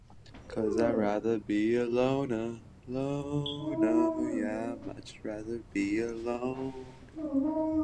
Perkins and Obrecht were originally based in Perth.